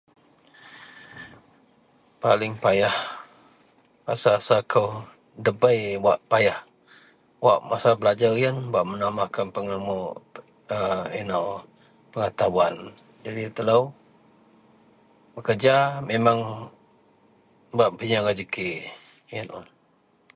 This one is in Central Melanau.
paling payah rasa-rasa kou dabei wak payah wak masa belajar ien bak menambah kan pelegamou a ino pengetahuan jadi telou bekerja memang bak peyieng rezeki ien un